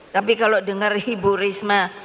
tapi kalau dengar ibu risma